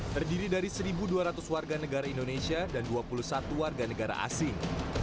terdiri dari satu dua ratus warga negara indonesia dan dua puluh satu warga negara asing